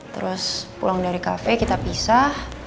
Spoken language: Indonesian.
terus pulang dari kafe kita pisah